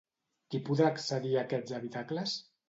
Qui podrà accedir a aquests habitacles?